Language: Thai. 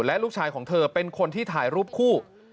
และลูกชายของเธอเป็นคนที่ถ่ายรูปคู่